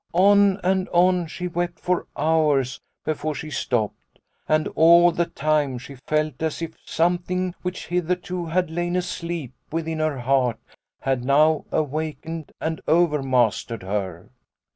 On and on she wept for hours before she stopped, and all the time she felt as if something which hitherto had lain asleep within her heart had now awakened and overmastered her.